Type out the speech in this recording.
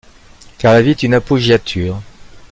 Car la vie est une appoggiature.